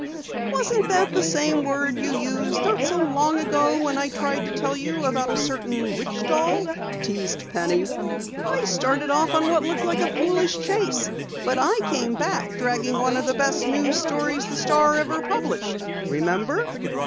'" "Wasn't that the same word you used not so long ago when I tried to tell you about a certain Witch Doll?" teased Penny. "I started off on what looked like a foolish chase, but I came back dragging one of the best news stories the Star ever published. Remember?"